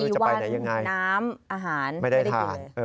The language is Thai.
๔วันน้ำอาหารไม่ได้ทาน